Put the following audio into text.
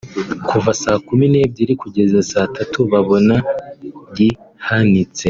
kuva Saa Kumi n’ebyiri kugeza Saa Tatu babona gihanitse